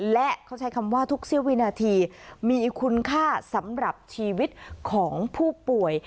และเขาใช้คำว่าทุกเสี้ยววินาทีมีคุณค่าสำหรับชีวิตของผู้ป่วย